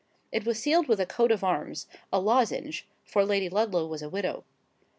It was sealed with a coat of arms,—a lozenge,—for Lady Ludlow was a widow.